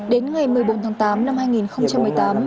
đến ngày một mươi bốn tháng tám năm hai nghìn một mươi tám